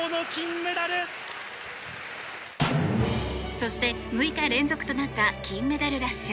そして６日連続となった金メダルラッシュ。